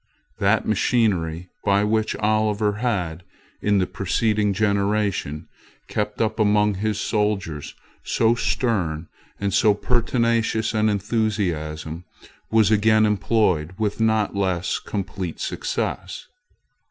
That machinery, by which Oliver had, in the preceding generation, kept up among his soldiers so stern and so pertinacious an enthusiasm, was again employed with not less complete success.